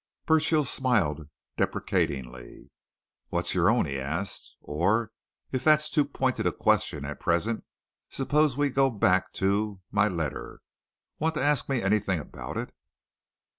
Burchill smiled deprecatingly. "What's your own?" he asked. "Or, if that's too pointed a question at present, suppose we go back to my letter? Want to ask me anything about it?"